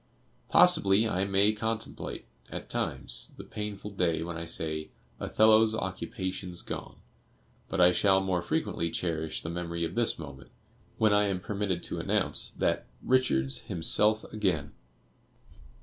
Possibly I may contemplate, at times, the painful day when I said: 'Othello's occupation's gone;' but I shall more frequently cherish the memory of this moment, when I am permitted to announce that 'Richard's himself again.